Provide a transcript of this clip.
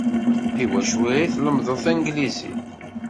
I wacu ay la tlemmdeḍ tanglizit?